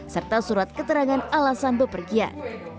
serta surat keterangan alasan bepergian